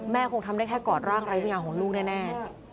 แม่คงทำได้แค่กอดร่างรายพิงาของลูกแน่